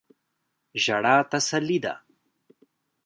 ژړا تسلی ده.